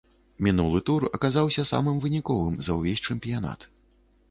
Мінулы тур аказаўся самым выніковым за ўвесь чэмпіянат.